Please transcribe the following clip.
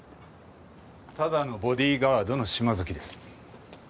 ただのボディーガードの島崎です。